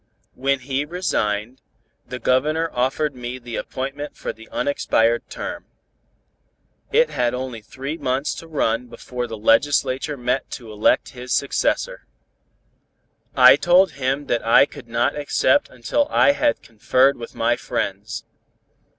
When he resigned, the Governor offered me the appointment for the unexpired term. It had only three months to run before the legislature met to elect his successor. I told him that I could not accept until I had conferred with my friends.